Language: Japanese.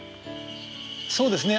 そうですね。